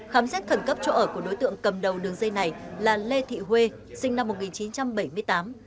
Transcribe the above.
khám xét khẩn cấp chỗ ở của đối tượng cầm đầu đường dây này là lê thị huê sinh năm một nghìn chín trăm bảy mươi tám